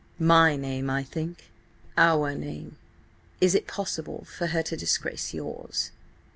"My name, I think." "Our name! Is it possible for her to disgrace yours?"